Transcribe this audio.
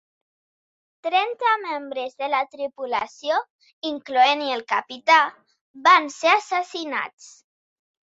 Trenta membres de la tripulació, incloent-hi el capità, van ser assassinats.